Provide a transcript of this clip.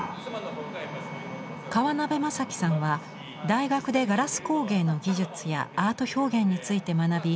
川邉雅規さんは大学でガラス工芸の技術やアート表現について学び